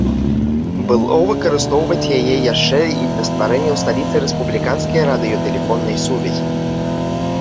Было выкарыстоўваць яе яшчэ і для стварэння ў сталіцы рэспубліканскай радыётэлефоннай сувязі.